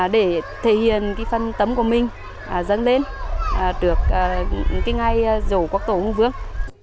để thể hiện phân tấm của mình dâng lên được ngay rổ quốc tổ hùng vương